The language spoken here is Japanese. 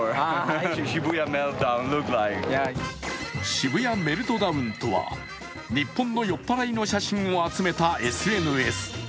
渋谷メルトダウンとは日本の酔っ払いの写真を集めたＳＮＳ。